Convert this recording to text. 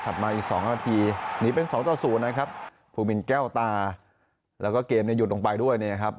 ถัดมาอีก๒นาทีหนีเป็น๒๐นะครับภูมินแก้วตาแล้วก็เกมหยุดลงไปด้วยนะครับ